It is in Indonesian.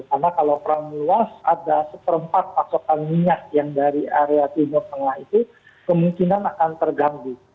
karena kalau perang meluas ada seperempat pasokan minyak yang dari area timur tengah itu kemungkinan akan terganti